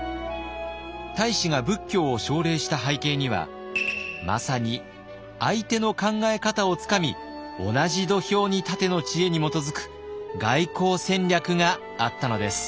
太子が仏教を奨励した背景にはまさに「相手の考え方をつかみ同じ土俵に立て」の知恵に基づく外交戦略があったのです。